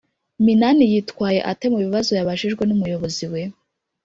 Minani yitwaye ate mu bibazo yabajijwe n‘umuyobozi we?